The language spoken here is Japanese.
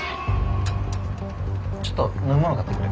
ちょっと飲み物買ってくる。